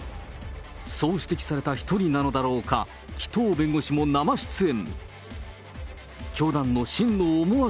そう指摘された一人なのだろうか、紀藤弁護士も生出演。